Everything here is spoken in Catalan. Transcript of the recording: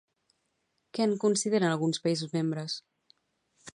Què en consideren alguns països membres?